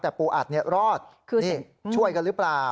แต่ปูอัดรอดนี่ช่วยกันหรือเปล่า